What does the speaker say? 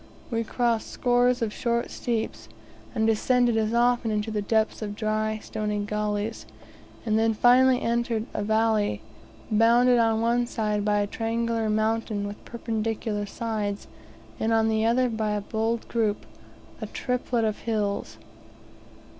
We crossed scores of short steeps, and descended as often into the depths of dry, stony gullies, and then finally entered a valley, bounded on one side by a triangular mountain with perpendicular sides, and on the other by a bold group, a triplet of hills.